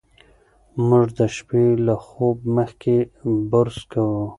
موږ د شپې له خوب مخکې برس کوو.